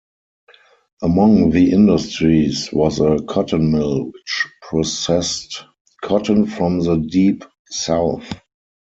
Among the industries was a cotton mill, which processed cotton from the Deep South.